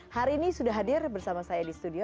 hari ini sudah hadir bersama saya di studio